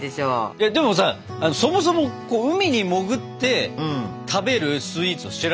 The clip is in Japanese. えっでもさそもそも海に潜って食べるスイーツを知らないのよ。